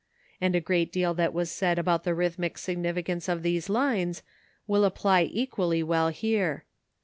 And a great deal that was said about the rhythmic significance of these lines will apply equally well here.